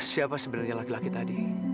siapa sebenarnya laki laki tadi